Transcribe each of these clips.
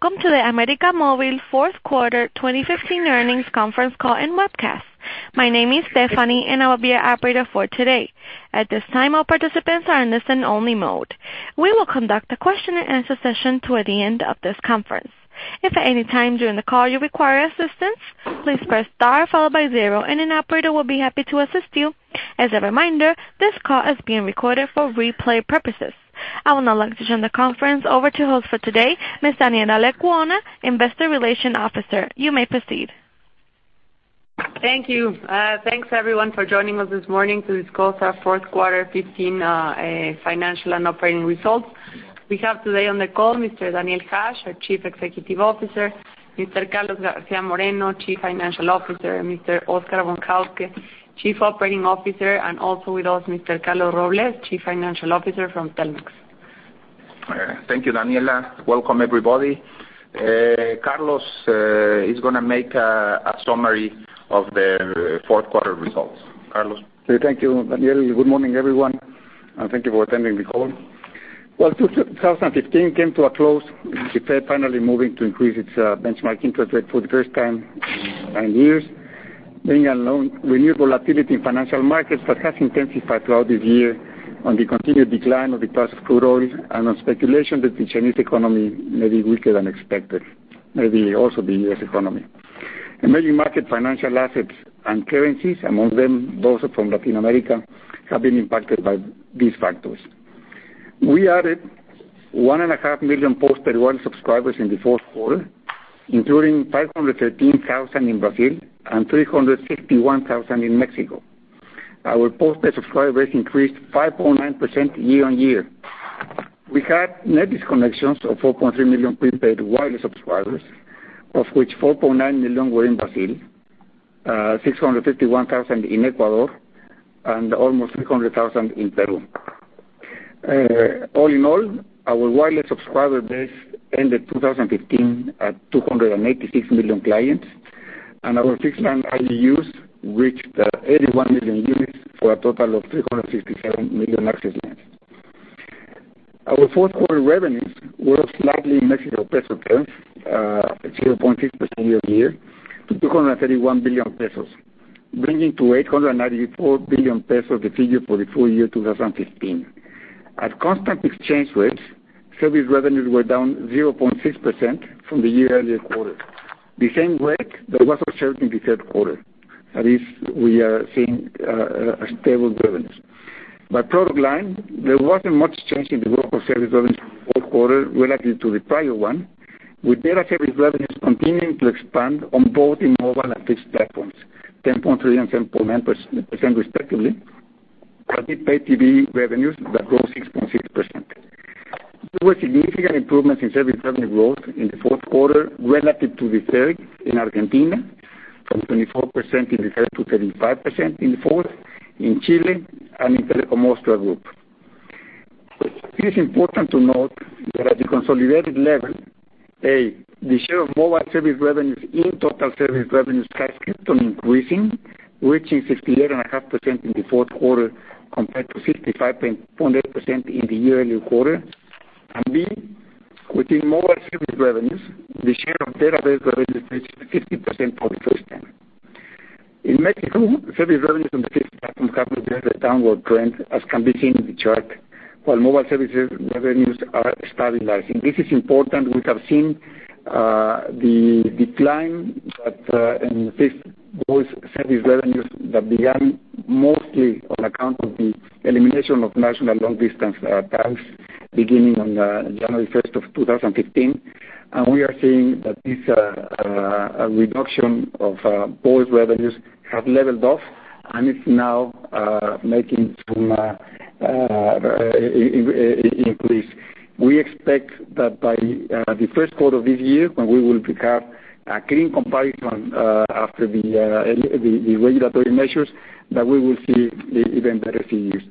Welcome to the América Móvil fourth quarter 2015 earnings conference call and webcast. My name is Stephanie, and I will be your operator for today. At this time, all participants are in listen only mode. We will conduct a question and answer session toward the end of this conference. If at any time during the call you require assistance, please press star followed by zero and an operator will be happy to assist you. As a reminder, this call is being recorded for replay purposes. I would now like to turn the conference over to host for today, Ms. Daniela Lecuona, Investor Relations Officer. You may proceed. Thank you. Thanks everyone for joining us this morning to discuss our fourth quarter 2015 financial and operating results. We have today on the call Mr. Daniel Hajj, our Chief Executive Officer, Mr. Carlos García Moreno, Chief Financial Officer, Mr. Oscar Von Hauske, Chief Operating Officer, also with us, Mr. Carlos Robles, Chief Financial Officer from Telmex. Thank you, Daniela. Welcome everybody. Carlos is going to make a summary of the fourth quarter results. Carlos? Thank you, Daniel. Good morning, everyone. Thank you for attending the call. While 2015 came to a close, the Fed finally moving to increase its benchmark interest rate for the first time in years. Bringing along renewed volatility in financial markets that has intensified throughout this year on the continued decline of the price of crude oil and on speculation that the Chinese economy may be weaker than expected. Maybe also the U.S. economy. Emerging market financial assets and currencies, among them those from Latin America, have been impacted by these factors. We added 1.5 million postpaid wireless subscribers in the fourth quarter, including 513,000 in Brazil and 361,000 in Mexico. Our postpaid subscribers increased 5.9% year-over-year. We had net additions of 4.3 million prepaid wireless subscribers, of which 4.9 million were in Brazil, 651,000 in Ecuador, and almost 300,000 in Peru. All in all, our wireless subscriber base ended 2015 at 286 million clients, and our fixed line RGUs reached 81 million units for a total of 367 million access lines. Our fourth quarter revenues were slightly in Mexican peso terms, 0.6% year-over-year to 231 billion pesos, bringing to 894 billion pesos the figure for the full year 2015. At constant exchange rates, service revenues were down 0.6% from the year-earlier quarter. The same rate that was observed in the third quarter. That is, we are seeing a stable revenues. By product line, there wasn't much change in the group of service revenues in the fourth quarter relative to the prior one, with data service revenues continuing to expand on both in mobile and fixed platforms, 10.3% and 10.9% respectively, and prepaid TV revenues that rose 6.6%. There were significant improvements in service revenue growth in the fourth quarter relative to the third in Argentina, from 24% in the third to 35% in the fourth, in Chile and in Telekom Austria Group. It is important to note that at the consolidated level, A, the share of mobile service revenues in total service revenues has kept on increasing, reaching 58.5% in the fourth quarter compared to 55.8% in the year-earlier quarter. B, within mobile service revenues, the share of data-based revenues reached 50% for the first time. In Mexico, service revenues on the fixed platform have reversed their downward trend, as can be seen in the chart, while mobile services revenues are stabilizing. This is important. We have seen the decline in fixed voice service revenues that began mostly on account of the elimination of national long distance plans beginning on January 1, 2015. We are seeing that this reduction of voice revenues have leveled off and is now making some increase. We expect that by the first quarter of this year, when we will have a clean comparison after the regulatory measures, that we will see even better figures.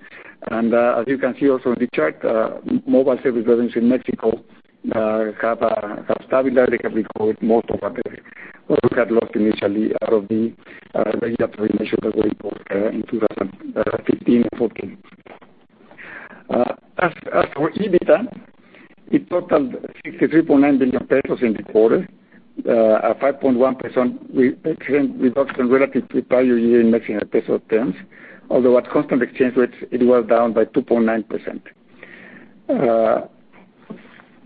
As you can see also on the chart, mobile service revenues in Mexico have stabilized and recovered most of what we had lost initially out of the regulatory measures that were in force in 2015 and 2014. As for EBITDA, it totaled 63.9 billion pesos in the quarter, a 5.1% reduction relative to prior year in Mexican peso terms, although at constant exchange rates it was down by 2.9%.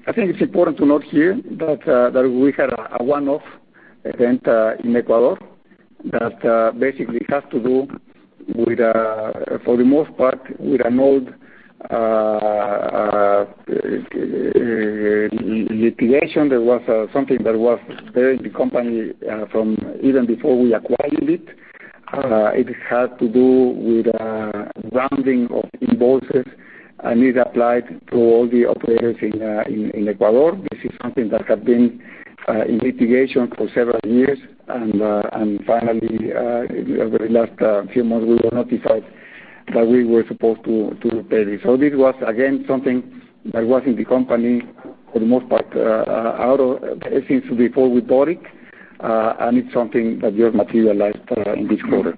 I think it's important to note here that we had a one-off event in Ecuador that basically has to do, for the most part, with an old litigation that was something that was there in the company from even before we acquired it. It had to do with rounding of invoices, and it applied to all the operators in Ecuador. This is something that had been in litigation for several years, and finally, over the last few months, we were notified that we were supposed to pay this. This was, again, something that was in the company for the most part out of, I think it's before we bought it, and it's something that just materialized in this quarter.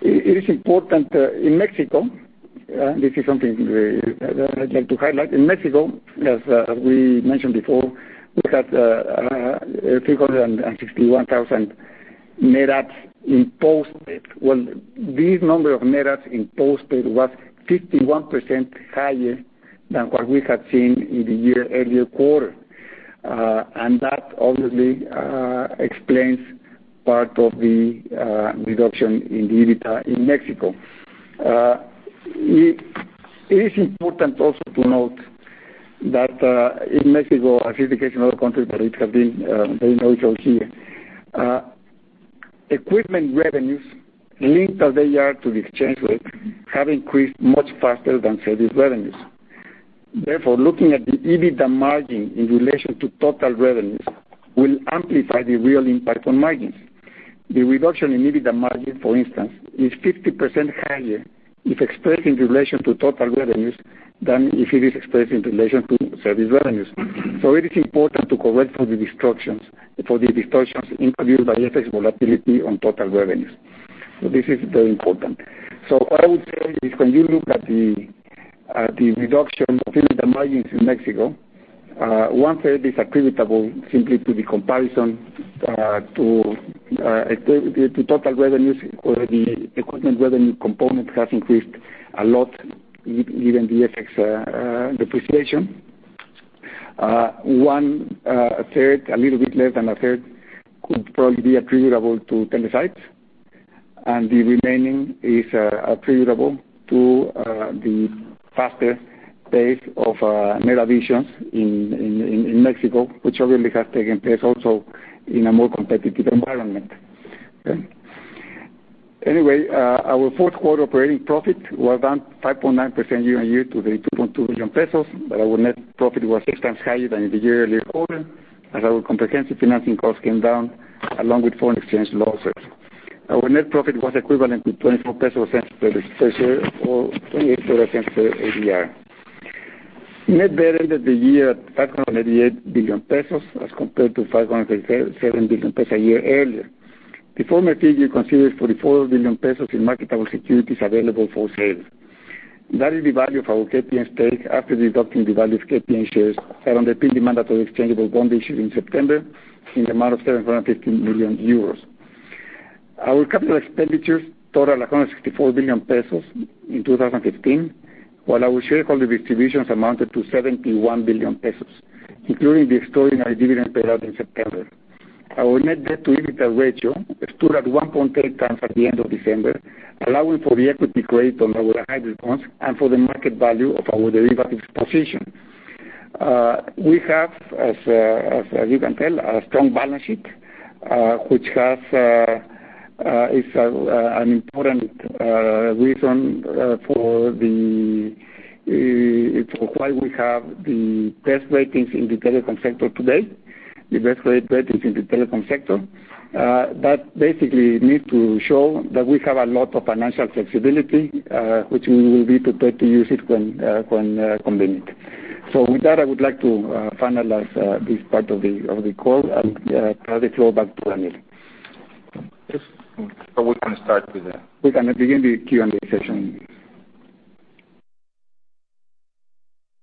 It is important in Mexico, this is something I'd like to highlight. In Mexico, as we mentioned before, we had 361,000 net adds in postpaid. Well, this number of net adds in postpaid was 51% higher than what we had seen in the year earlier quarter. That obviously explains part of the reduction in the EBITDA in Mexico. It is important also to note that in Mexico, as it is the case in other countries, but it has been very noticeable here. Equipment revenues, linked as they are to the exchange rate, have increased much faster than service revenues. Therefore, looking at the EBITDA margin in relation to total revenues will amplify the real impact on margins. The reduction in EBITDA margin, for instance, is 50% higher if expressed in relation to total revenues, than if it is expressed in relation to service revenues. It is important to correct for the distortions introduced by FX volatility on total revenues. This is very important. What I would say is when you look at the reduction of EBITDA margins in Mexico, one-third is attributable simply to the comparison to total revenues where the equipment revenue component has increased a lot given the FX depreciation. One third, a little bit less than a third, could probably be attributable to Telesites. The remaining is attributable to the faster pace of net additions in Mexico, which obviously has taken place also in a more competitive environment. Okay. Anyway, our fourth quarter operating profit was down 5.9% year-on-year to 2.2 billion pesos, our net profit was six times higher than in the year earlier quarter, as our comprehensive financing costs came down along with foreign exchange losses. Our net profit was equivalent to 0.24 pesos per share or $0.28 per ADR. Net debt ended the year at 588 billion pesos as compared to 537 billion pesos a year earlier. The former figure considers 44 billion pesos in marketable securities available for sale. That is the value of our KPN stake after deducting the value of KPN shares held on the fully mandatory exchangeable bond issued in September in the amount of €750 million. Our capital expenditures totaled 164 billion pesos in 2015, while our shareholder distributions amounted to 71 billion pesos, including the extraordinary dividend paid out in September. Our net debt-to-EBITDA ratio stood at 1.3 times at the end of December, allowing for the equity grade on our hybrid bonds and for the market value of our derivatives position. We have, as you can tell, a strong balance sheet, which is an important reason for why we have the best ratings in the telecom sector today, the best credit ratings in the telecom sector. That basically needs to show that we have a lot of financial flexibility, which we will be prepared to use it when convenient. With that, I would like to finalize this part of the call and hand the floor back to Daniel. Yes. We're going to start with. We're going to begin the Q&A session.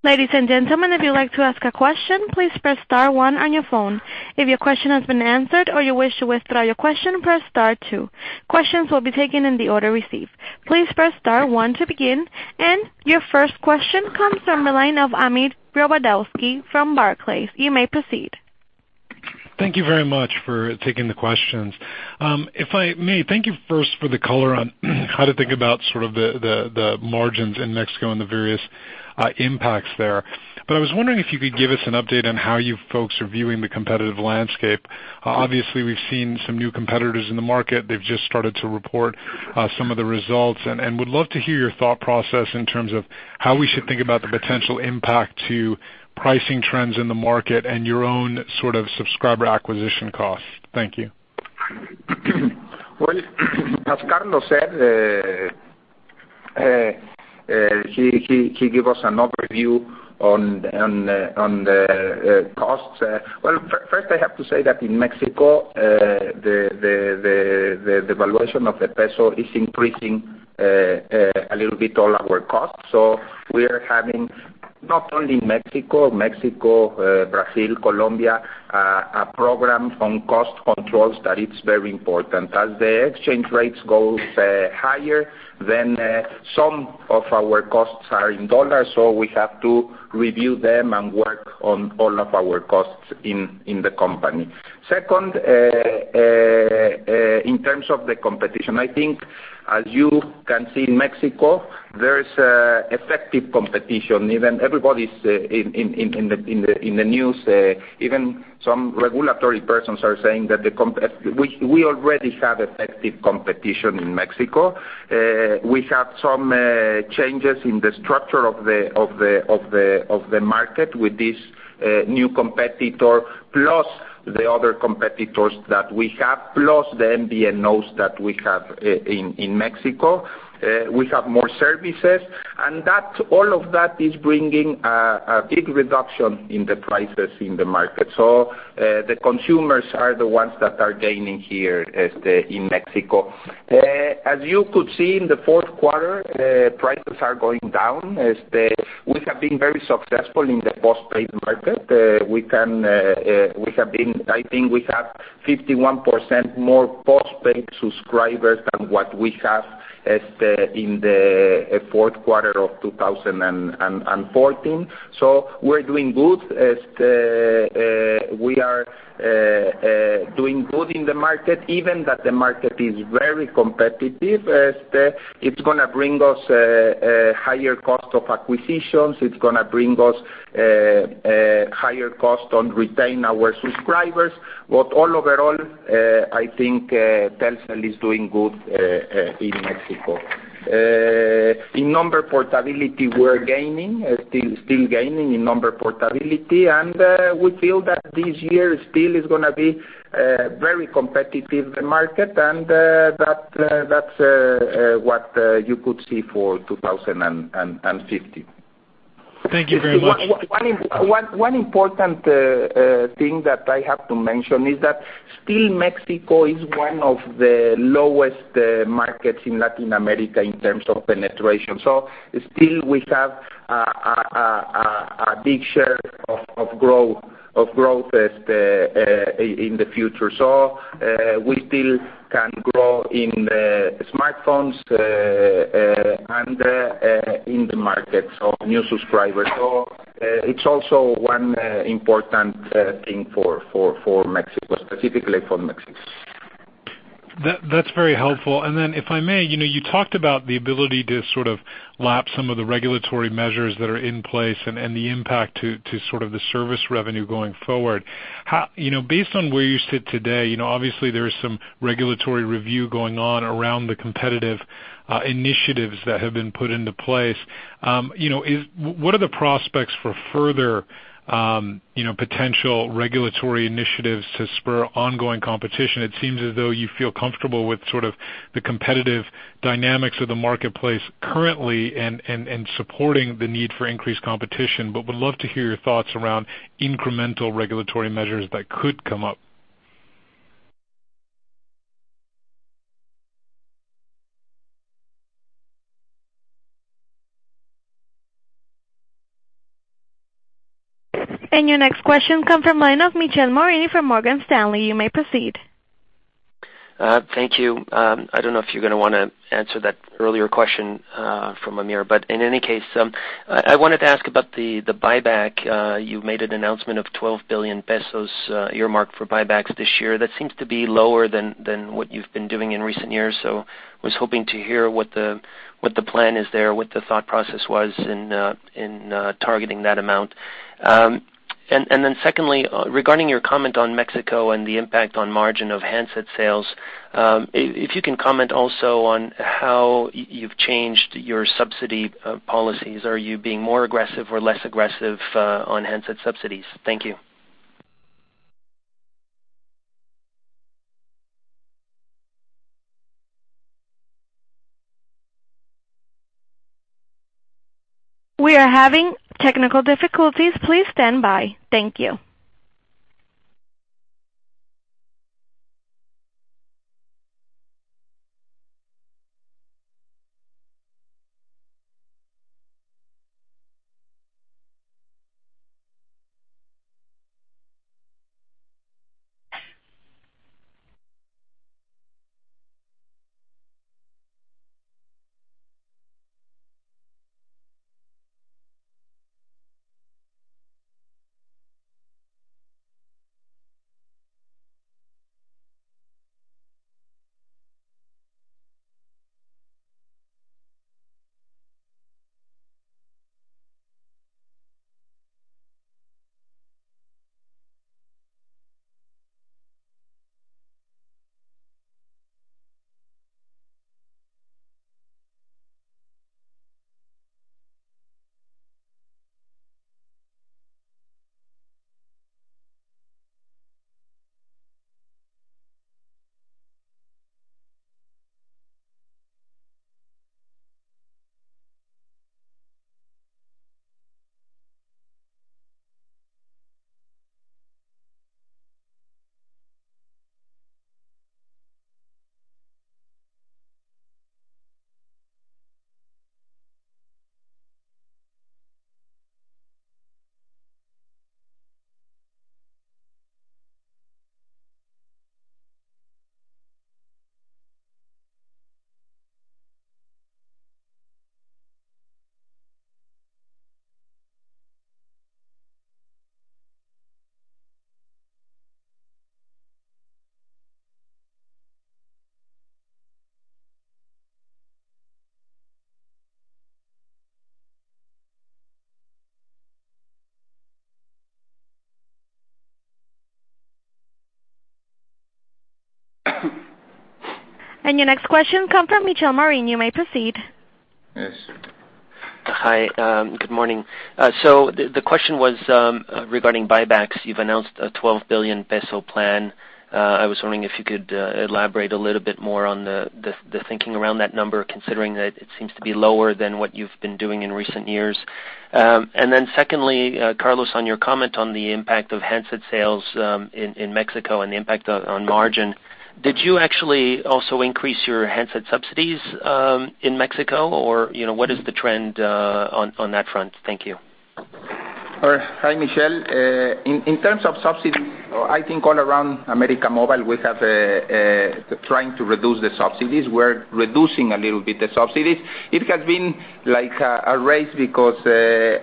Ladies and gentlemen, if you'd like to ask a question, please press star one on your phone. If your question has been answered or you wish to withdraw your question, press star two. Questions will be taken in the order received. Please press star one to begin. Your first question comes from the line of Amir Rozwadowski from Barclays. You may proceed. Thank you very much for taking the questions. If I may, thank you first for the color on how to think about sort of the margins in Mexico and the various impacts there. I was wondering if you could give us an update on how you folks are viewing the competitive landscape. Obviously, we've seen some new competitors in the market. They've just started to report some of the results. Would love to hear your thought process in terms of how we should think about the potential impact to pricing trends in the market and your own sort of subscriber acquisition costs. Thank you. Well, as Carlos said, he gave us an overview on the costs. Well, first I have to say that in Mexico, the valuation of the peso is increasing a little bit all our costs. We are having Not only Mexico, Brazil, Colombia, a program on cost controls that is very important. As the exchange rates go higher, some of our costs are in $, we have to review them and work on all of our costs in the company. Second, in terms of the competition, I think as you can see in Mexico, there is effective competition. Even everybody in the news, even some regulatory persons are saying that we already have effective competition in Mexico. We have some changes in the structure of the market with this new competitor, plus the other competitors that we have, plus the MVNOs that we have in Mexico. We have more services, and all of that is bringing a big reduction in the prices in the market. The consumers are the ones that are gaining here in Mexico. As you could see in the fourth quarter, prices are going down as we have been very successful in the postpaid market. I think we have 51% more postpaid subscribers than what we had in the fourth quarter of 2014. We're doing good. We are doing good in the market, even though the market is very competitive as it's going to bring us higher cost of acquisitions. It's going to bring us higher cost on retaining our subscribers. But overall, I think Telcel is doing good in Mexico. In number portability, we're gaining, still gaining in number portability, and we feel that this year still is going to be a very competitive market, and that's what you could see for 2015. Thank you very much. One important thing that I have to mention is that still Mexico is one of the lowest markets in Latin America in terms of penetration. Still we have a big share of growth in the future. We still can grow in smartphones and in the market, new subscribers. It's also one important thing for Mexico, specifically for Mexico. That's very helpful. Then if I may, you talked about the ability to sort of lap some of the regulatory measures that are in place and the impact to sort of the service revenue going forward. Based on where you sit today, obviously there is some regulatory review going on around the competitive initiatives that have been put into place. What are the prospects for further potential regulatory initiatives to spur ongoing competition? It seems as though you feel comfortable with sort of the competitive dynamics of the marketplace currently and supporting the need for increased competition, would love to hear your thoughts around incremental regulatory measures that could come up. Your next question comes from the line of Michel Morin from Morgan Stanley. You may proceed. Thank you. I don't know if you're going to want to answer that earlier question from Amir, in any case, I wanted to ask about the buyback. You made an announcement of 12 billion pesos earmarked for buybacks this year. That seems to be lower than what you've been doing in recent years. I was hoping to hear what the plan is there, what the thought process was in targeting that amount. Then secondly, regarding your comment on Mexico and the impact on margin of handset sales, if you can comment also on how you've changed your subsidy policies. Are you being more aggressive or less aggressive on handset subsidies? Thank you. We are having technical difficulties. Please stand by. Thank you. Your next question comes from Michel Morin. You may proceed. Yes. Hi, good morning. The question was regarding buybacks. You've announced a 12 billion peso plan. I was wondering if you could elaborate a little bit more on the thinking around that number, considering that it seems to be lower than what you've been doing in recent years. Secondly, Carlos, on your comment on the impact of handset sales in Mexico and the impact on margin, did you actually also increase your handset subsidies in Mexico? What is the trend on that front? Thank you. All right. Hi, Michel Morin. In terms of subsidy, I think all around América Móvil, we have trying to reduce the subsidies. We're reducing a little bit the subsidies. It has been like a race because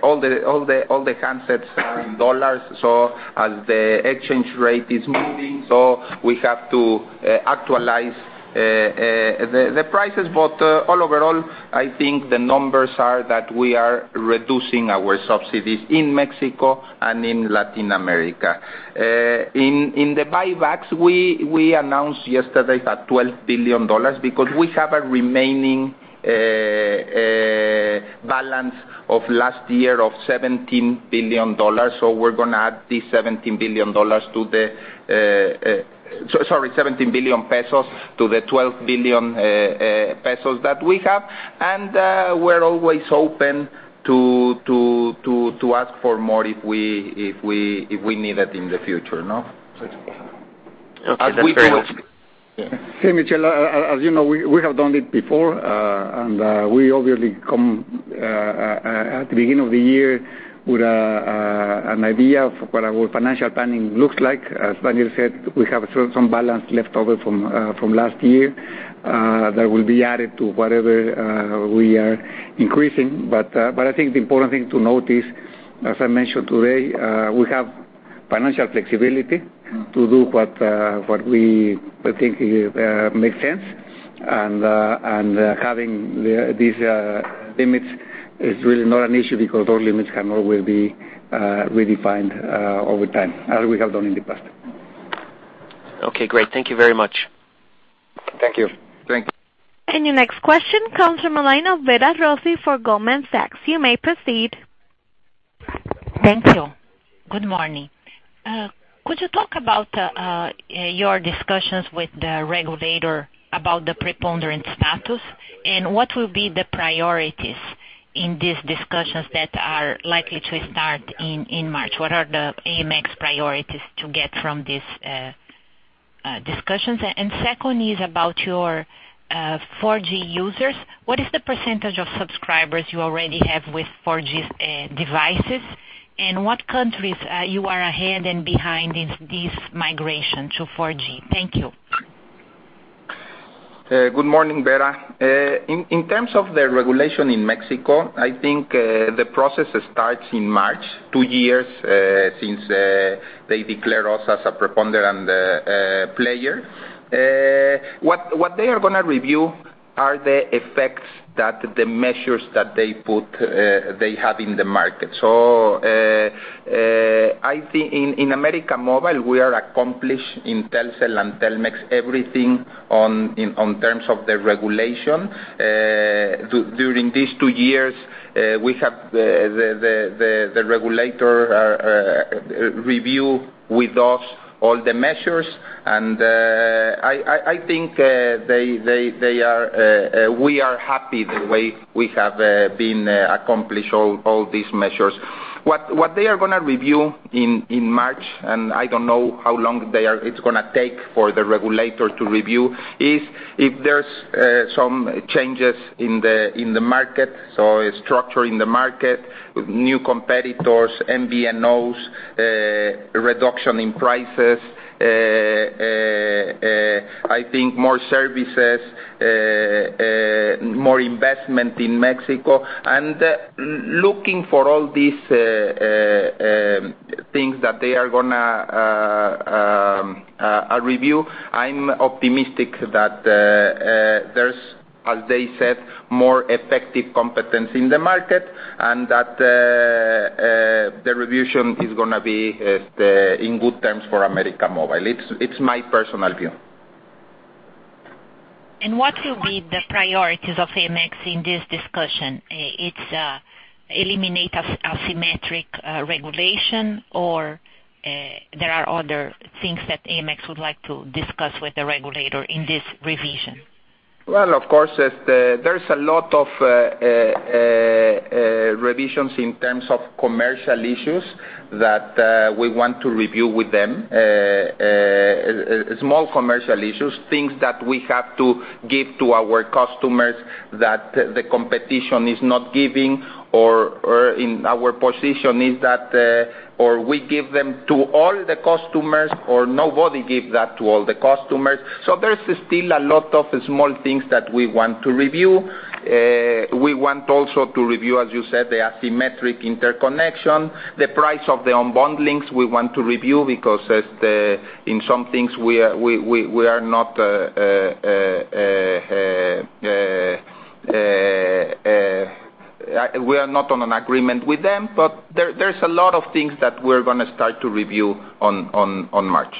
all the handsets are in dollars, so as the exchange rate is moving, so we have to actualize the prices. All overall, I think the numbers are that we are reducing our subsidies in Mexico and in Latin America. In the buybacks, we announced yesterday that MXN 12 billion because we have a remaining balance of last year of MXN 17 billion, so we're going to add these 17 billion pesos to the 12 billion pesos that we have. We're always open to ask for more if we need it in the future. No? Okay. That's very helpful. As we do it. Hey, Michel. As you know, we have done it before, we obviously come at the beginning of the year with an idea of what our financial planning looks like. As Daniel said, we have some balance left over from last year that will be added to whatever we are increasing. I think the important thing to note is, as I mentioned today, we have financial flexibility to do what we think makes sense. Having these limits is really not an issue because our limits can always be redefined over time, as we have done in the past. Okay, great. Thank you very much. Thank you. Thank you. Your next question comes from the line of Vera Rossi for Goldman Sachs. You may proceed. Thank you. Good morning. Could you talk about your discussions with the regulator about the preponderant status, what will be the priorities in these discussions that are likely to start in March? What are the AMX priorities to get from these discussions? Second is about your 4G users. What is the % of subscribers you already have with 4G devices, what countries are you ahead and behind in this migration to 4G? Thank you. Good morning, Vera. In terms of the regulation in Mexico, I think the process starts in March, two years since they declared us as a preponderant player. What they are going to review are the effects that the measures that they put they have in the market. I think in América Móvil, we are accomplished in Telcel and Telmex, everything on terms of the regulation. During these two years, we have the regulator review with us all the measures, I think we are happy the way we have been accomplished all these measures. What they are going to review in March, I don't know how long it's going to take for the regulator to review, is if there's some changes in the market, structure in the market, new competitors, MVNOs, reduction in prices, I think more services, more investment in Mexico. Looking for all these things that they are going to review, I'm optimistic that there's, as they said, more effective competition in the market, and that the revision is going to be in good terms for América Móvil. It's my personal view. What will be the priorities of AMX in this discussion? It's eliminate asymmetric regulation, or there are other things that AMX would like to discuss with the regulator in this revision? Well, of course, there's a lot of revisions in terms of commercial issues that we want to review with them. Small commercial issues, things that we have to give to our customers that the competition is not giving, or our position is that, or we give them to all the customers, or nobody gives that to all the customers. There's still a lot of small things that we want to review. We want also to review, as you said, the asymmetric interconnection, the price of the unbundling, we want to review, because in some things we are not on an agreement with them. There's a lot of things that we're going to start to review on March.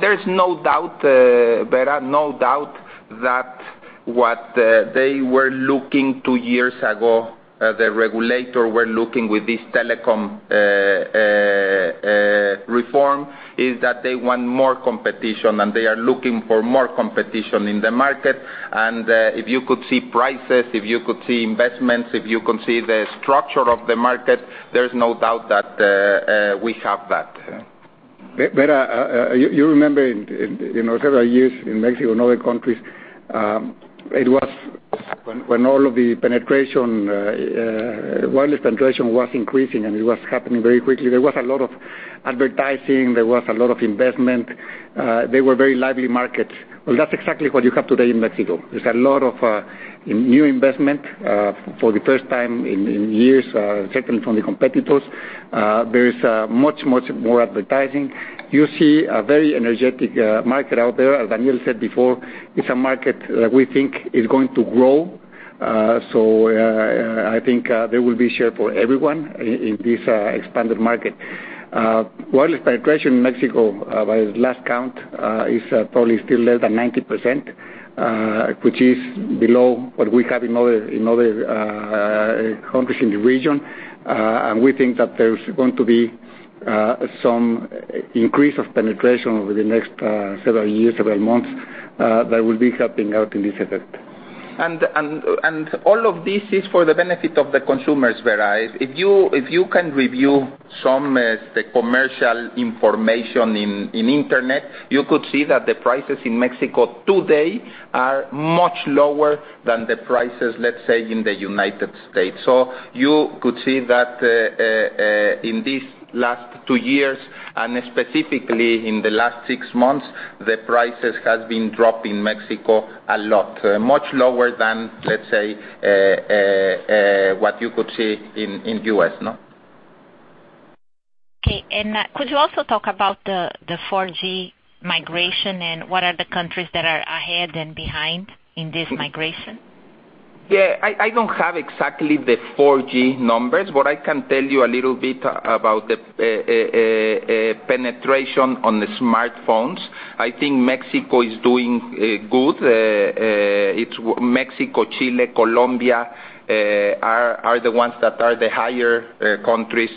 There's no doubt, Vera, no doubt that what they were looking two years ago, the regulator were looking with this telecom reform, is that they want more competition, and they are looking for more competition in the market. If you could see prices, if you could see investments, if you can see the structure of the market, there's no doubt that we have that. Vera, you remember in several years in Mexico and other countries, it was when all of the wireless penetration was increasing, it was happening very quickly. There was a lot of advertising, there was a lot of investment. They were very lively markets. Well, that's exactly what you have today in Mexico. There's a lot of new investment for the first time in years, certainly from the competitors. There is much more advertising. You see a very energetic market out there. As Daniel said before, it's a market that we think is going to grow. I think there will be share for everyone in this expanded market. Wireless penetration in Mexico, by its last count, is probably still less than 90%, which is below what we have in other countries in the region. We think that there's going to be some increase of penetration over the next several years, several months, that will be helping out in this effect. All of this is for the benefit of the consumers, Vera. If you can review some commercial information in internet, you could see that the prices in Mexico today are much lower than the prices, let's say, in the United States. You could see that in these last two years, specifically in the last six months, the prices have been dropped in Mexico a lot, much lower than, let's say, what you could see in U.S. Okay, could you also talk about the 4G migration and what are the countries that are ahead and behind in this migration? Yeah, I don't have exactly the 4G numbers, but I can tell you a little bit about the penetration on the smartphones. I think Mexico is doing good. Mexico, Chile, Colombia are the ones that are the higher countries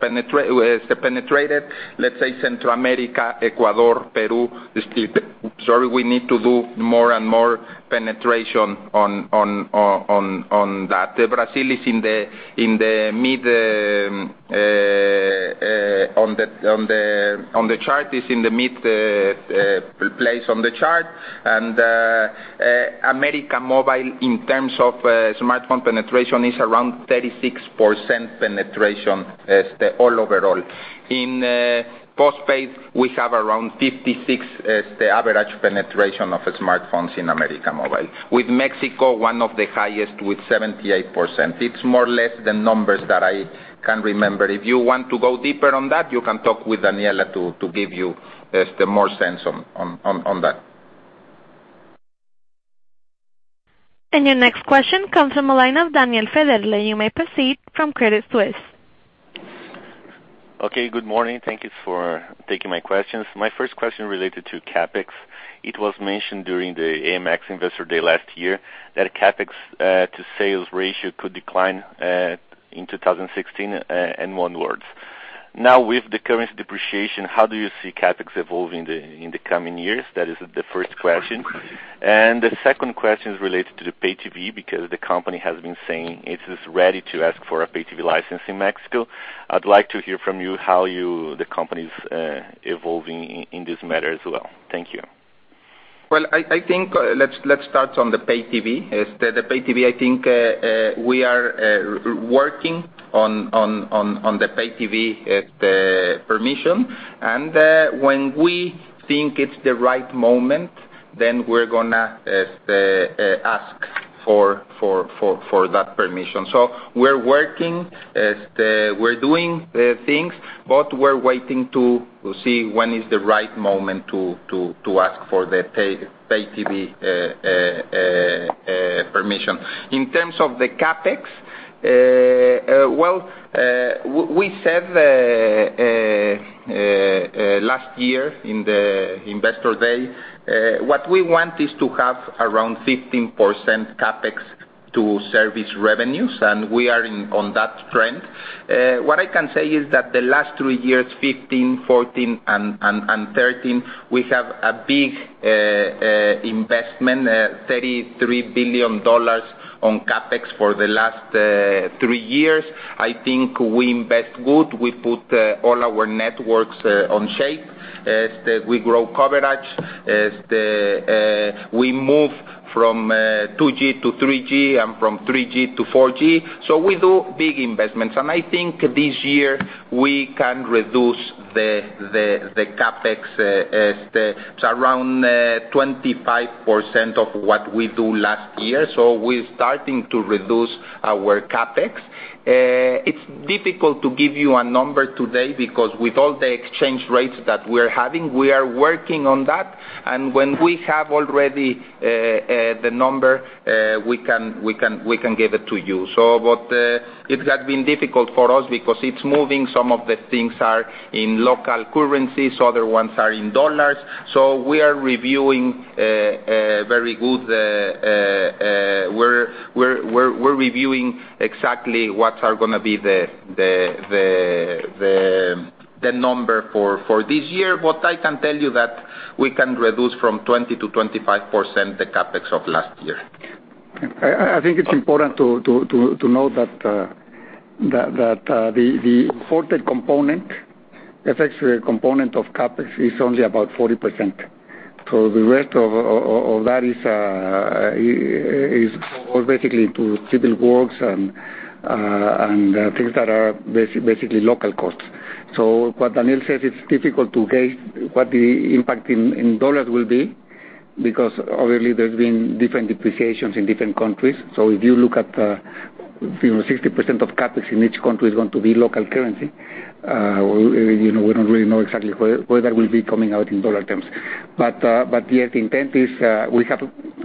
penetrated. Let's say Central America, Ecuador, Peru, we need to do more and more penetration on that. Brazil is in the mid on the chart, is in the mid place on the chart. América Móvil, in terms of smartphone penetration, is around 36% penetration overall. In postpaid, we have around 56% as the average penetration of smartphones in América Móvil, with Mexico one of the highest with 78%. It's more or less the numbers that I can remember. If you want to go deeper on that, you can talk with Daniela to give you more sense on that. Your next question comes from the line of Daniel Federle. You may proceed from Credit Suisse. Okay, good morning. Thank you for taking my questions. My first question related to CapEx. It was mentioned during the AMX Investor Day last year that CapEx to sales ratio could decline in 2016 and onwards. Now, with the currency depreciation, how do you see CapEx evolving in the coming years? That is the first question. The second question is related to the pay TV because the company has been saying it is ready to ask for a pay TV license in Mexico. I'd like to hear from you how the company's evolving in this matter as well. Thank you. Well, I think let's start on the pay TV. The pay TV, I think we are working on the pay TV permission. When we think it's the right moment, we're going to ask for that permission. We're working, we're doing things, we're waiting to see when is the right moment to ask for the pay TV permission. In terms of the CapEx, well, we said last year in the Investor Day, what we want is to have around 15% CapEx to service revenues, and we are on that trend. What I can say is that the last three years, 2015, 2014, and 2013, we have a big investment, $33 billion on CapEx for the last three years. I think we invest good. We put all our networks on shape, we grow coverage, we move from 2G to 3G and from 3G to 4G. We do big investments. I think this year we can reduce the CapEx to around 25% of what we do last year. We're starting to reduce our CapEx. It's difficult to give you a number today because with all the exchange rates that we're having, we are working on that. When we have already the number, we can give it to you. It has been difficult for us because it's moving. Some of the things are in local currencies, other ones are in U.S. dollars. We are reviewing exactly what are going to be the number for this year. What I can tell you that we can reduce from 20%-25% the CapEx of last year. I think it's important to know that the imported component, the fixed component of CapEx is only about 40%. The rest of that is basically to civil works and things that are basically local costs. What Daniel says, it's difficult to gauge what the impact in U.S. dollars will be, because obviously there's been different depreciations in different countries. If you look at 60% of CapEx in each country is going to be local currency, we don't really know exactly whether it will be coming out in U.S. dollar terms. The intent is, we have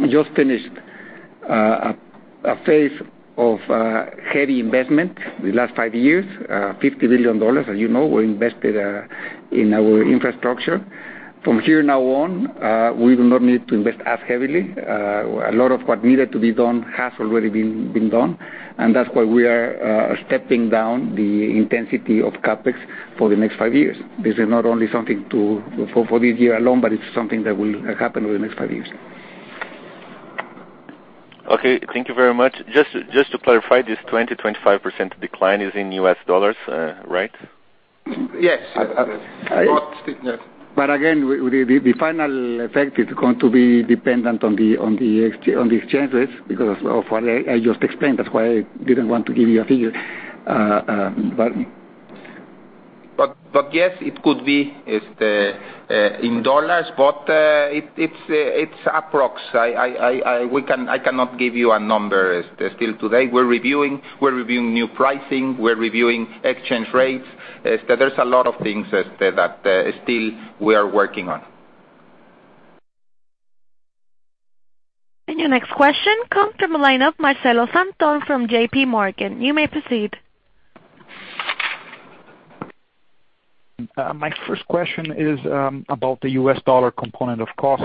just finished a phase of heavy investment the last five years, $50 billion, as you know, were invested in our infrastructure. From here now on, we will not need to invest as heavily. A lot of what needed to be done has already been done, that's why we are stepping down the intensity of CapEx for the next five years. This is not only something for this year alone, it's something that will happen over the next five years. Okay. Thank you very much. Just to clarify, this 20%-25% decline is in U.S. dollars, right? Yes. Again, the final effect is going to be dependent on the exchange rates because of what I just explained. That's why I didn't want to give you a figure. Yes, it could be in dollars, it's approx. I cannot give you a number still today. We're reviewing new pricing, we're reviewing exchange rates. There's a lot of things that still we are working on. Your next question comes from a line of Marcelo Santos from JPMorgan. You may proceed. My first question is about the US dollar component of cost.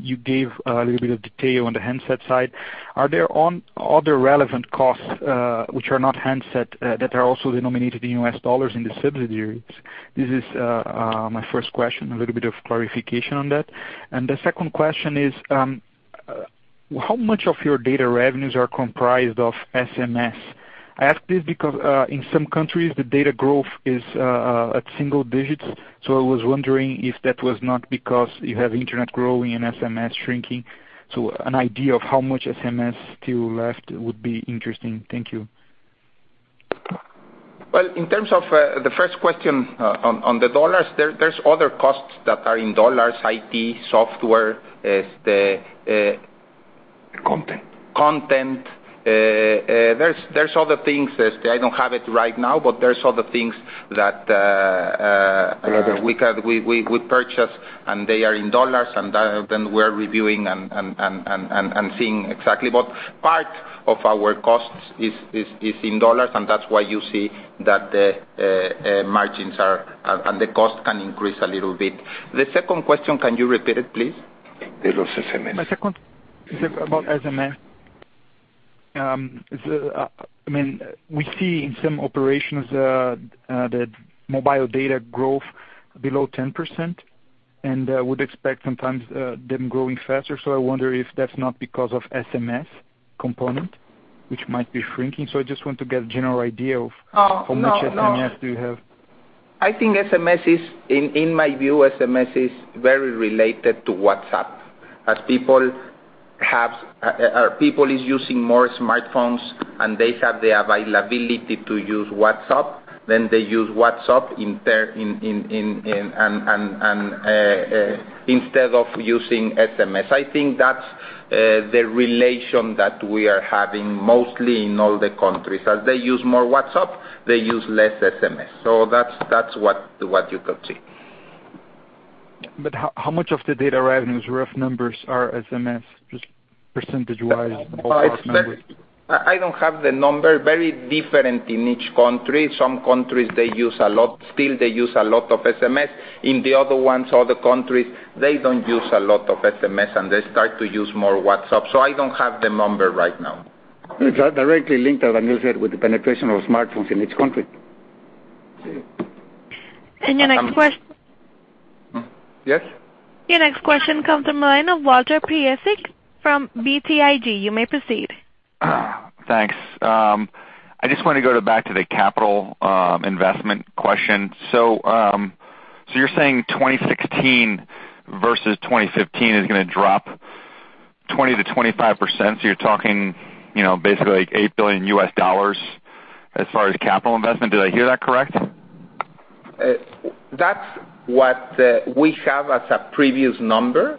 You gave a little bit of detail on the handset side. Are there other relevant costs which are not handset that are also denominated in US dollars in the subsidiaries? This is my first question, a little bit of clarification on that. The second question is, how much of your data revenues are comprised of SMS? I ask this because in some countries, the data growth is at single digits. I was wondering if that was not because you have internet growing and SMS shrinking. An idea of how much SMS still left would be interesting. Thank you. Well, in terms of the first question on the USD, there's other costs that are in USD, IT, software- Content content. There's other things, I don't have it right now, but there's other things that we purchase, and they are in USD. We're reviewing and seeing exactly what part of our costs is in USD, that's why you see that the margins are, and the cost can increase a little bit. The second question, can you repeat it, please? The loss SMS. My second is about SMS. We see in some operations that mobile data growth below 10%, and would expect sometimes them growing faster. I wonder if that's not because of SMS component, which might be shrinking. I just want to get a general idea of how much SMS do you have. I think SMS is, in my view, SMS is very related to WhatsApp. As people is using more smartphones and they have the availability to use WhatsApp, then they use WhatsApp instead of using SMS. I think that's the relation that we are having mostly in all the countries. As they use more WhatsApp, they use less SMS. That's what you could see. How much of the data revenues, rough numbers, are SMS, just percentage-wise? I don't have the number. Very different in each country. Some countries, they use a lot still of SMS. In the other ones, other countries, they don't use a lot of SMS, and they start to use more WhatsApp. I don't have the number right now. It's directly linked, as Daniel said, with the penetration of smartphones in each country. Si. Your next quest- Yes. Your next question comes from the line of Walter Piecyk from BTIG. You may proceed. Thanks. I just want to go back to the capital investment question. You're saying 2016 versus 2015 is going to drop 20%-25%. You're talking basically $8 billion U.S. as far as capital investment. Did I hear that correct? That's what we have as a previous number.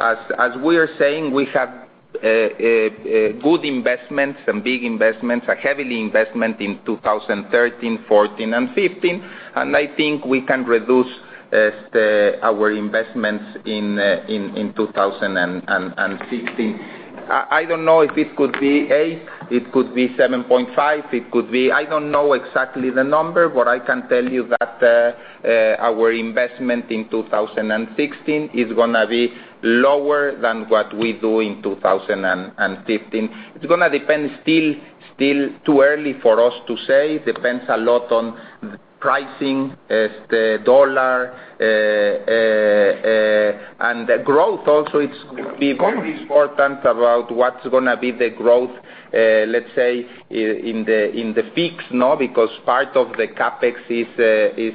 As we are saying, we have good investments and big investments, a heavy investment in 2013, 2014, and 2015. I think we can reduce our investments in 2016. I don't know if it could be eight, it could be 7.5. I don't know exactly the number, I can tell you that our investment in 2016 is going to be lower than what we do in 2015. It's going to depend. Still too early for us to say. Depends a lot on pricing, the dollar, and the growth also. It's going to be very important about what's going to be the growth, let's say, in the fixed, because part of the CapEx is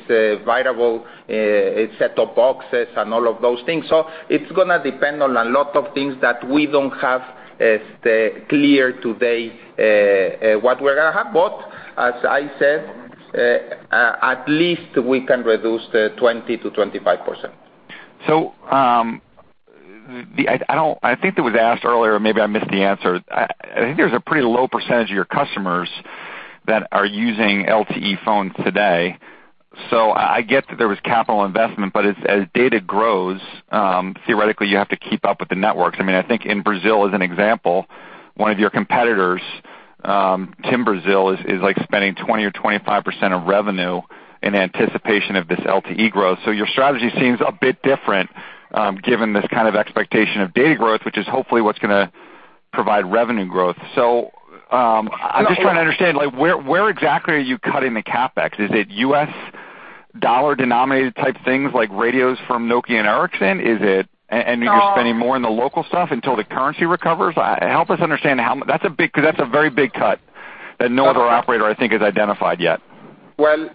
a variable set-top boxes and all of those things. It's going to depend on a lot of things that we don't have clear today what we're going to have. As I said, at least we can reduce 20%-25%. I think it was asked earlier, maybe I missed the answer. I think there's a pretty low percentage of your customers that are using LTE phones today. I get that there was capital investment, but as data grows, theoretically, you have to keep up with the networks. I think in Brazil as an example, one of your competitors, TIM Brasil, is spending 20% or 25% of revenue in anticipation of this LTE growth. Your strategy seems a bit different, given this kind of expectation of data growth, which is hopefully what's going to provide revenue growth. I'm just trying to understand, where exactly are you cutting the CapEx? Is it U.S. dollar-denominated type things like radios from Nokia and Ericsson? You're spending more on the local stuff until the currency recovers? Help us understand, because that's a very big cut that no other operator I think has identified yet. Well, my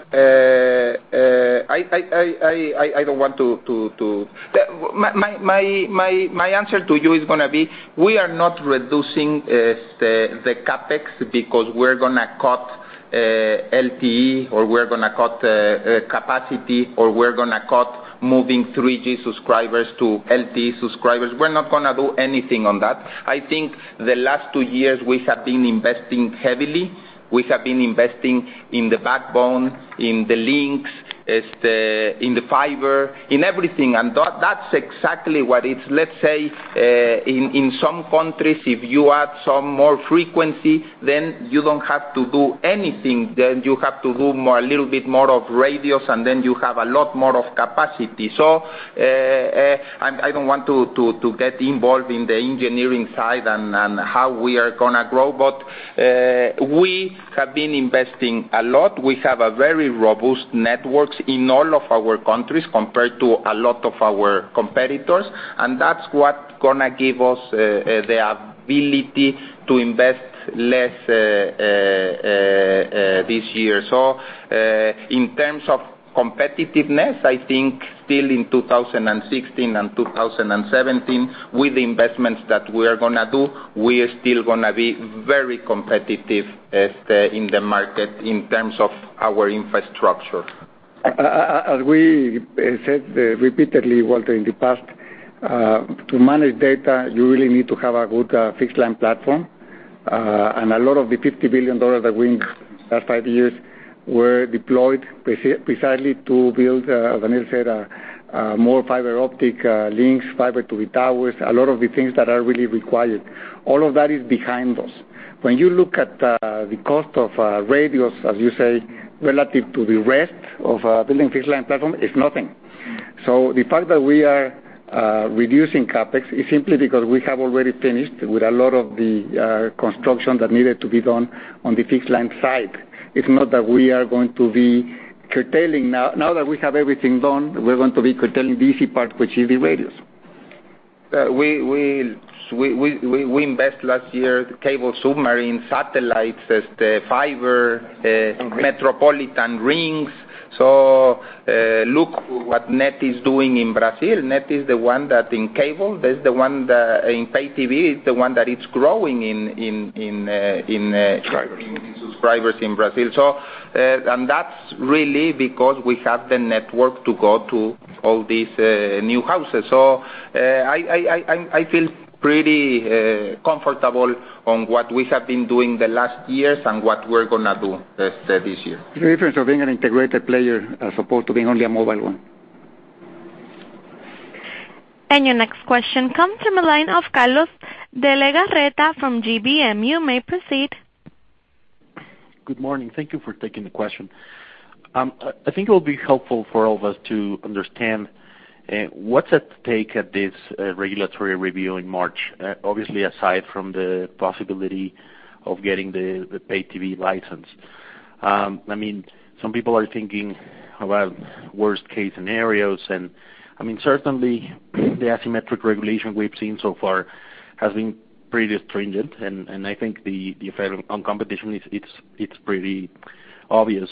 answer to you is going to be, we are not reducing the CapEx because we're going to cut LTE, or we're going to cut capacity, or we're going to cut moving 3G subscribers to LTE subscribers. We're not going to do anything on that. I think the last two years we have been investing heavily. We have been investing in the backbone, in the links, in the fiber, in everything. That's exactly what it's, let's say, in some countries, if you add some more frequency, then you don't have to do anything. Then you have to do a little bit more of radios, and then you have a lot more of capacity. I don't want to get involved in the engineering side and how we are going to grow. We have been investing a lot. We have a very robust network in all of our countries compared to a lot of our competitors, that's what's going to give us the ability to invest less this year. In terms of competitiveness, I think still in 2016 and 2017, with the investments that we are going to do, we are still going to be very competitive in the market in terms of our infrastructure. As we said repeatedly, Walter, in the past, to manage data, you really need to have a good fixed-line platform. A lot of the MXN 50 billion that we last five years were deployed precisely to build, as Daniel said, more fiber optic links, fiber to the towers, a lot of the things that are really required. All of that is behind us. When you look at the cost of radios, as you say, relative to the rest of building fixed-line platform, it's nothing. The fact that we are reducing CapEx is simply because we have already finished with a lot of the construction that needed to be done on the fixed-line side. It's not that we are going to be curtailing now. Now that we have everything done, we're going to be curtailing the easy part, which is the radios. We invest last year, cable submarine, satellites. Increase metropolitan rings. Look what NET is doing in Brazil. NET is the one that in cable, in pay TV, is the one that it's growing. Subscribers subscribers in Brazil. That's really because we have the network to go to all these new houses. I feel pretty comfortable on what we have been doing the last years and what we're going to do this year. The difference of being an integrated player as opposed to being only a mobile one. Your next question comes from the line of Carlos Legarreta from GBM. You may proceed. Good morning. Thank you for taking the question. I think it will be helpful for all of us to understand what's at stake at this regulatory review in March, obviously aside from the possibility of getting the pay TV license. Certainly the asymmetric regulation we've seen so far has been pretty stringent, and I think the effect on competition is pretty obvious.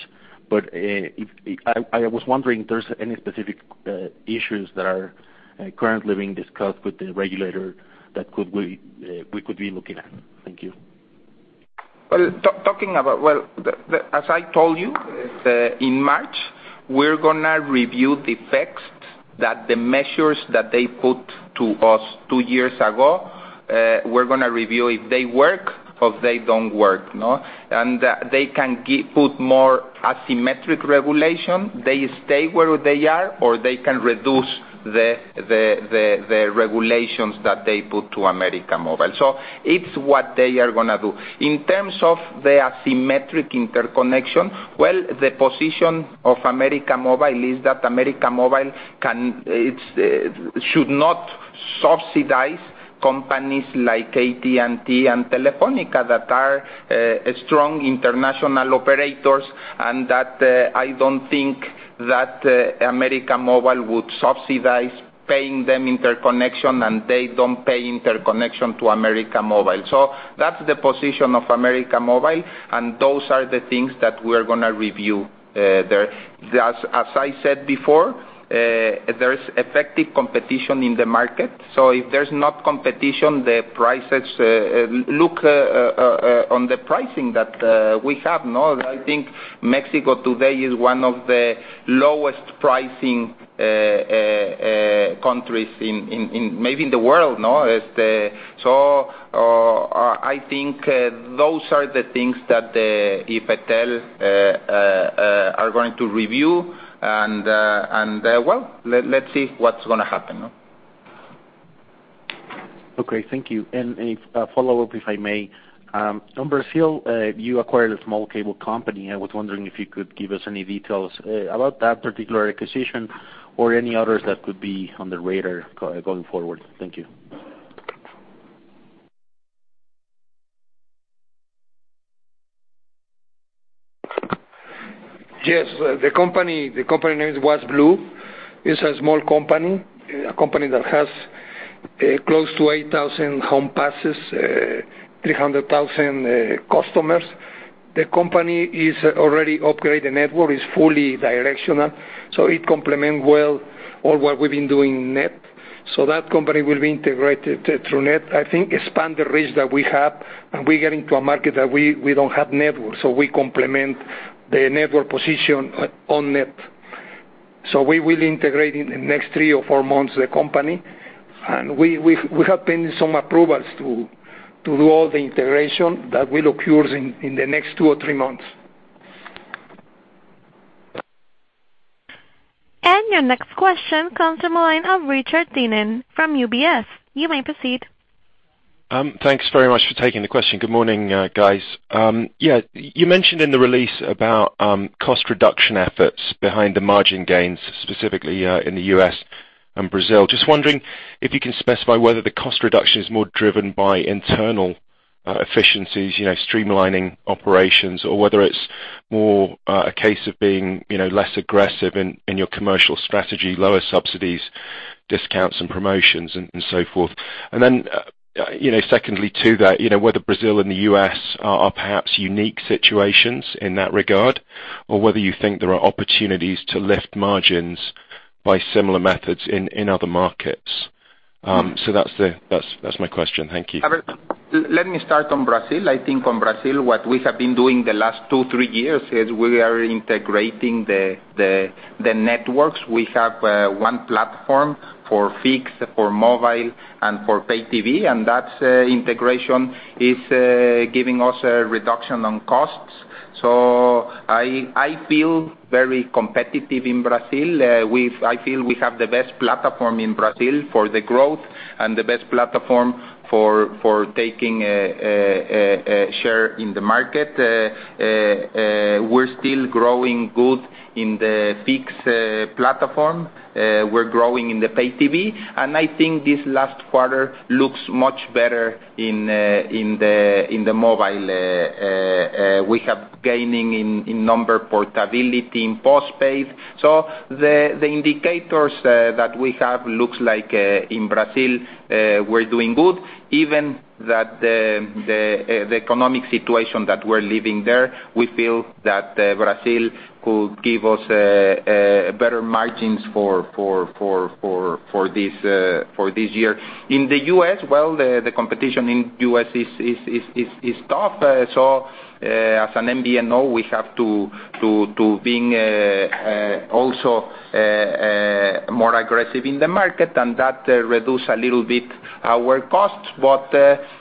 I was wondering if there's any specific issues that are currently being discussed with the regulator that we could be looking at. Thank you. Well, as I told you, in March, we're going to review the effects of the measures that they put to us two years ago. We're going to review if they work or they don't work. They can put more asymmetric regulation. They stay where they are, or they can reduce the regulations that they put to América Móvil. It's what they are going to do. In terms of the asymmetric interconnection, well, the position of América Móvil is that América Móvil should not subsidize companies like AT&T and Telefónica that are strong international operators, and that I don't think that América Móvil would subsidize paying them interconnection and they don't pay interconnection to América Móvil. That's the position of América Móvil, and those are the things that we're going to review there. As I said before, there is effective competition in the market. If there's no competition, look on the pricing that we have. I think Mexico today is one of the lowest pricing countries maybe in the world. I think those are the things that IFT are going to review, and well, let's see what's going to happen. Okay. Thank you. A follow-up, if I may. On Brazil, you acquired a small cable company. I was wondering if you could give us any details about that particular acquisition or any others that could be on the radar going forward. Thank you. Yes. The company name was Blue. It's a small company, a company that has close to 8,000 home passes, 300,000 customers. The company has already upgraded the network. It's fully directional, so it complements well all what we've been doing in NET. That company will be integrated through NET. I think expand the reach that we have, and we get into a market that we don't have network, so we complement the network position on NET. We will integrate in the next three or four months the company, and we have pending some approvals to do all the integration that will occur in the next two or three months. Your next question comes from the line of Richard Dineen from UBS. You may proceed. Thanks very much for taking the question. Good morning, guys. You mentioned in the release about cost reduction efforts behind the margin gains, specifically in the U.S. and Brazil. Just wondering if you can specify whether the cost reduction is more driven by internal efficiencies, streamlining operations, or whether it's more a case of being less aggressive in your commercial strategy, lower subsidies, discounts, and promotions, and so forth. Then secondly to that, whether Brazil and the U.S. are perhaps unique situations in that regard, or whether you think there are opportunities to lift margins by similar methods in other markets. That's my question. Thank you. Let me start on Brazil. I think on Brazil, what we have been doing the last two, three years is we are integrating the networks. We have one platform for fixed, for mobile, and for pay TV, and that integration is giving us a reduction on costs. I feel very competitive in Brazil. I feel we have the best platform in Brazil for the growth and the best platform for taking a share in the market. We're still growing good in the fixed platform. We're growing in the pay TV. I think this last quarter looks much better in the mobile. We have gaining in number portability in postpaid. The indicators that we have looks like in Brazil we're doing good. Even the economic situation that we're living there, we feel that Brazil could give us better margins for this year. In the U.S., well, the competition in the U.S. is tough. As an MVNO, we have to be also more aggressive in the market, and that reduce a little bit our costs.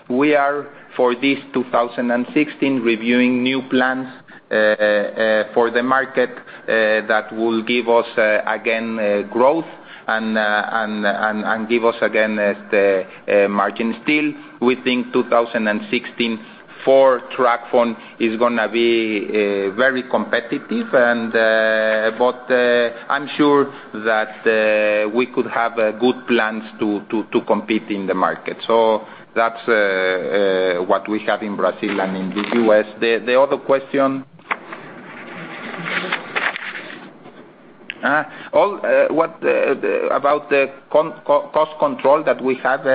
We are, for this 2016, reviewing new plans for the market that will give us, again, growth and give us, again, the margin. Still, we think 2016 for TracFone is going to be very competitive. I'm sure that we could have good plans to compete in the market. That's what we have in Brazil and in the U.S. The other question About the cost control that we have,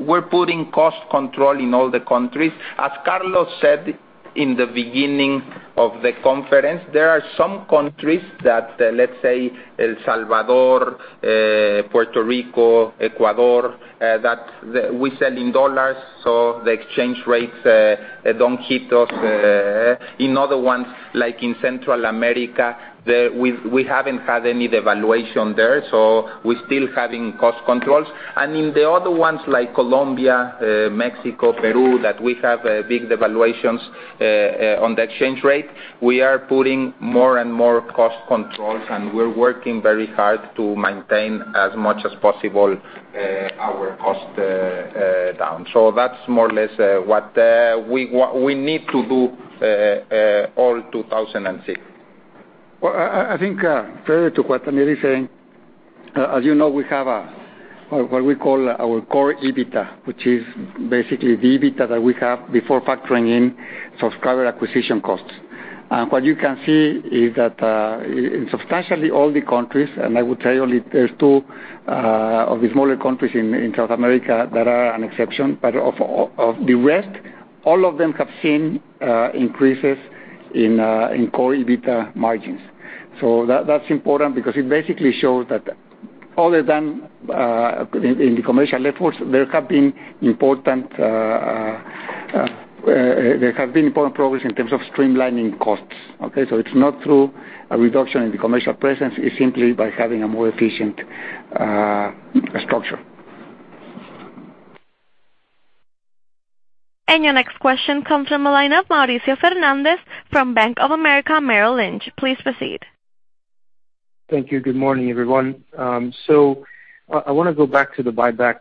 we're putting cost control in all the countries. As Carlos said in the beginning of the conference, there are some countries that, let's say El Salvador, Puerto Rico, Ecuador, that we sell in dollars, so the exchange rates don't hit us. In other ones, like in Central America, we haven't had any devaluation there, so we're still having cost controls. In the other ones like Colombia, Mexico, Peru, that we have big devaluations on the exchange rate, we are putting more and more cost controls, and we're working very hard to maintain as much as possible our cost down. That's more or less what we need to do all 2016. Well, I think further to what Daniel is saying, as you know, we have what we call our core EBITDA, which is basically the EBITDA that we have before factoring in subscriber acquisition costs. What you can see is that in substantially all the countries, and I would tell you only there's two of the smaller countries in South America that are an exception, but of the rest, all of them have seen increases in core EBITDA margins. That's important because it basically shows that other than in the commercial efforts, there have been important progress in terms of streamlining costs. Okay? It's not through a reduction in the commercial presence, it's simply by having a more efficient structure. Your next question comes from the line of Mauricio Fernandes from Bank of America Merrill Lynch. Please proceed. Thank you. Good morning, everyone. I want to go back to the buybacks,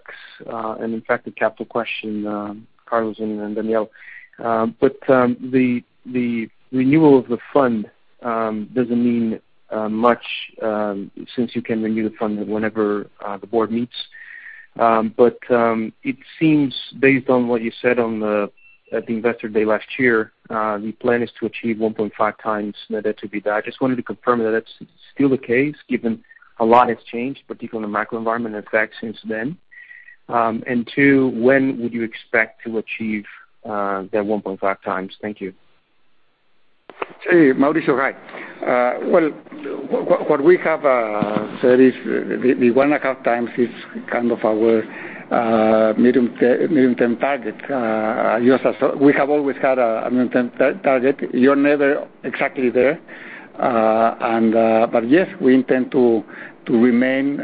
and in fact, the capital question, Carlos and Daniel. The renewal of the fund doesn't mean much since you can renew the fund whenever the board meets. It seems, based on what you said at the investor day last year, the plan is to achieve 1.5 times net debt-to-EBITDA. I just wanted to confirm that that's still the case, given a lot has changed, particularly in the macro environment, in fact, since then, and 2, when would you expect to achieve that 1.5 times? Thank you. Mauricio. Hi. Well, what we have said is the one and a half times is kind of our medium-term target. We have always had a medium-term target. You're never exactly there. Yes, we intend to remain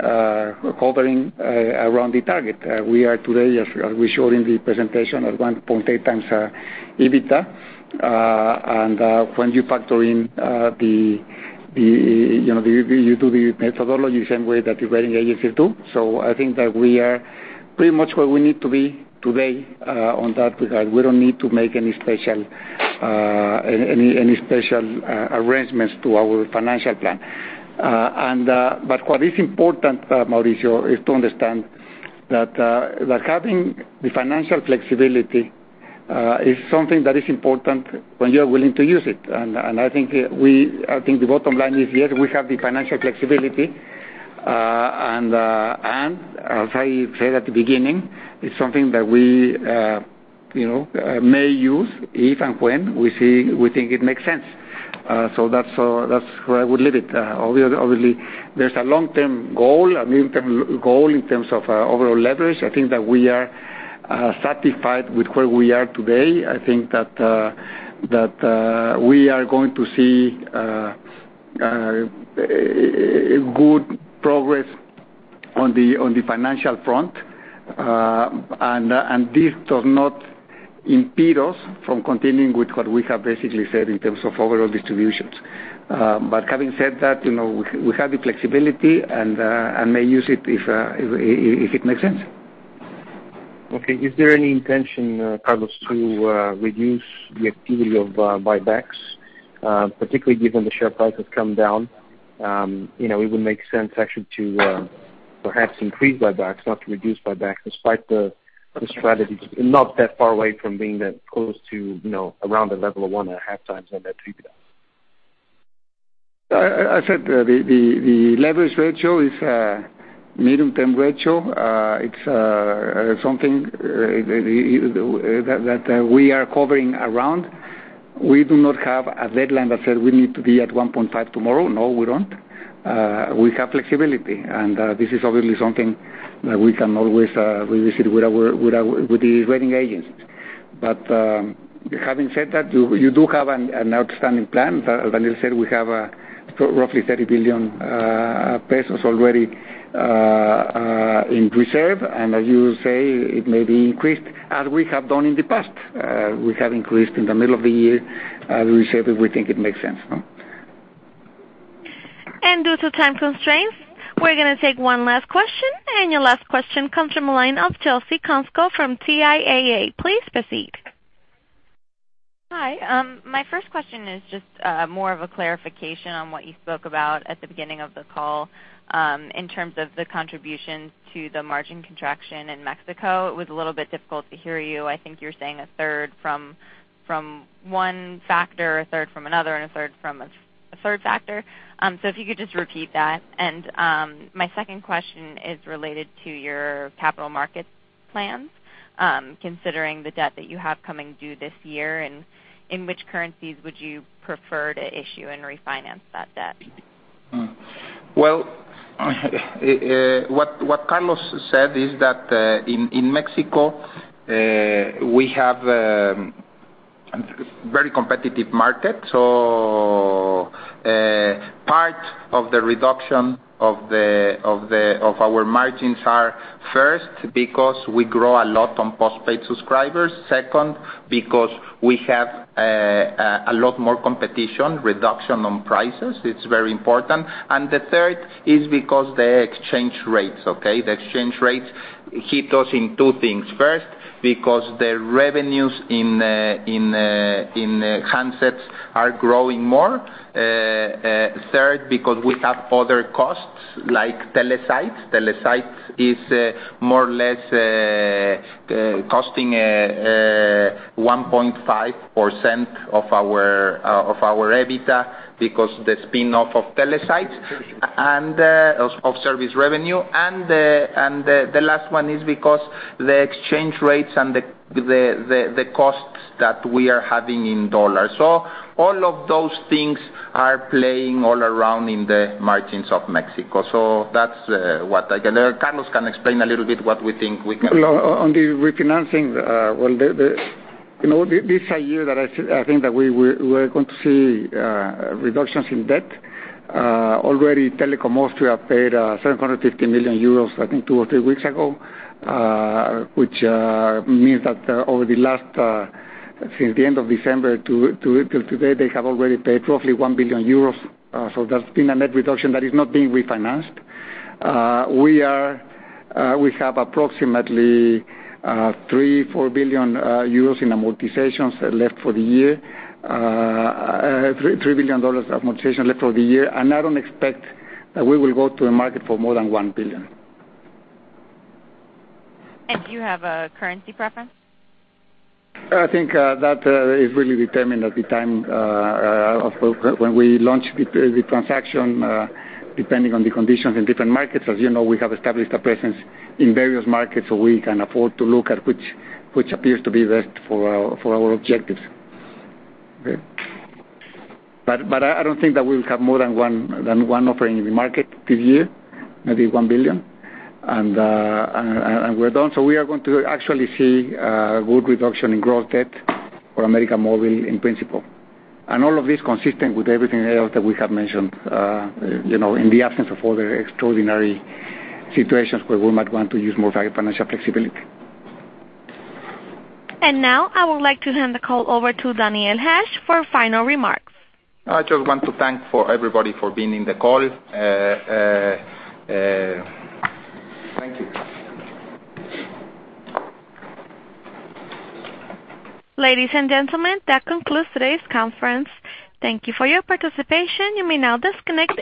hovering around the target. We are today, as we showed in the presentation, at 1.8 times EBITDA. When you factor in, you do the methodology the same way that the rating agencies do. I think that we are pretty much where we need to be today on that regard. We don't need to make any special arrangements to our financial plan. What is important, Mauricio, is to understand that having the financial flexibility is something that is important when you are willing to use it. I think the bottom line is, yes, we have the financial flexibility, and as I said at the beginning, it's something that we may use if and when we think it makes sense. That's where I would leave it. Obviously, there's a long-term goal, a medium-term goal in terms of overall leverage. I think that we are satisfied with where we are today. I think that we are going to see a good progress on the financial front. This does not impede us from continuing with what we have basically said in terms of overall distributions. Having said that, we have the flexibility and may use it if it makes sense. Okay. Is there any intention, Carlos, to reduce the activity of buybacks, particularly given the share price has come down? It would make sense actually to perhaps increase buybacks, not to reduce buybacks, despite the strategies not that far away from being that close to around the level of one and a half times net debt-to-EBITDA. I said the leverage ratio is a medium-term ratio. It's something that we are hovering around. We do not have a deadline that says we need to be at 1.5 tomorrow. No, we don't. We have flexibility, and this is obviously something that we can always revisit with the rating agencies. Having said that, you do have an outstanding plan. As Daniel said, we have roughly 30 billion pesos already in reserve. As you say, it may be increased, as we have done in the past. We have increased in the middle of the year, as we said, if we think it makes sense. Due to time constraints, we're going to take one last question, and your last question comes from the line of Chelsea Konsko from TIAA. Please proceed. Hi. My first question is just more of a clarification on what you spoke about at the beginning of the call in terms of the contribution to the margin contraction in Mexico. It was a little bit difficult to hear you. I think you were saying a third from From one factor, a third from another, and a third from a third factor. If you could just repeat that. My second question is related to your capital markets plans, considering the debt that you have coming due this year, in which currencies would you prefer to issue and refinance that debt? Well, what Carlos said is that in Mexico, we have a very competitive market. Part of the reduction of our margins are, first, because we grow a lot on postpaid subscribers. Second, because we have a lot more competition, reduction on prices, it's very important. The third is because the exchange rates, okay? The exchange rates hit us in two things. First, because the revenues in handsets are growing more. Third, because we have other costs like Telesites. Telesites is more or less costing 1.5% of our EBITDA because the spinoff of Telesites of service revenue. The last one is because the exchange rates and the costs that we are having in dollars. All of those things are playing all around in the margins of Mexico. That's what I can Carlos can explain a little bit what we think we can. On the refinancing, well, this is a year that I think that we're going to see reductions in debt. Already, Telekom Austria paid 750 million euros, I think two or three weeks ago, which means that over the last, since the end of December till today, they have already paid roughly 1 billion euros. That's been a net reduction that is not being refinanced. We have approximately 3 billion-4 billion euros in amortizations left for the year, $3 billion of amortization left for the year, and I don't expect that we will go to the market for more than 1 billion. Do you have a currency preference? I think that is really determined at the time of when we launch the transaction, depending on the conditions in different markets. As you know, we have established a presence in various markets, we can afford to look at which appears to be best for our objectives. Okay. I don't think that we'll have more than one offering in the market this year, maybe 1 billion, and we're done. We are going to actually see a good reduction in gross debt for América Móvil in principle. All of this consistent with everything else that we have mentioned, in the absence of other extraordinary situations where we might want to use more financial flexibility. Now, I would like to hand the call over to Daniel Hajj for final remarks. I just want to thank everybody for being in the call. Thank you. Ladies and gentlemen, that concludes today's conference. Thank you for your participation. You may now disconnect your-